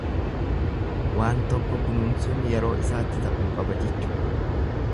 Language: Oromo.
Waan tokko kunuunsuun yeroo isaatti ta'uu qaba jechuudha.